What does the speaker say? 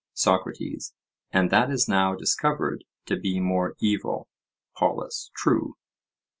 SOCRATES: And that is now discovered to be more evil? POLUS: True.